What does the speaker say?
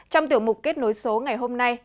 trong tiểu mục kết nối số ngày hôm nay